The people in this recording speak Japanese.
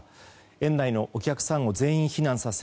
園内のお客さんを全員避難させ